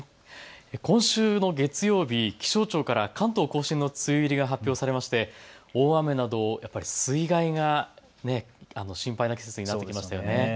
今週の月曜日、気象庁から関東甲信の梅雨入りが発表されまして大雨などやっぱり水害が心配な季節になりましたよね。